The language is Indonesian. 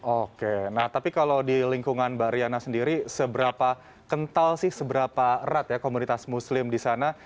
oke nah tapi kalau di lingkungan mbak riana sendiri seberapa kental sih seberapa erat ya komunitas muslim di sana